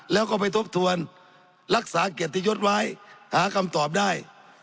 แล้วก็ไปทบทวนรักษาเกียรติยศไว้หาคำตอบได้